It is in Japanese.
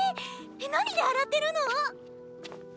何で洗ってるの？